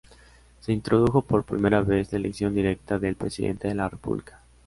Se introdujo por primera vez la elección directa del Presidente de la República.